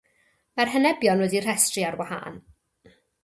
Mae'r henebion wedi'u rhestru ar wahân.